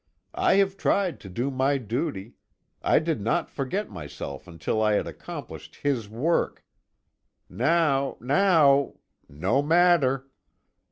I have tried to do my duty. I did not forget myself until I had accomplished his work. Now now no matter!"